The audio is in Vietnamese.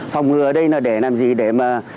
phòng ngừa đây là để làm gì để mà